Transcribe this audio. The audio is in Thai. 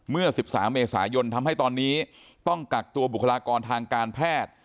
เมื่อ๑๓เมษายนทำให้ตอนนี้ต้องกักตัวบุคลากรทางการแพทย์